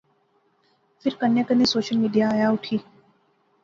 فیر کنے کنے سوشل میڈیا آیا اٹھی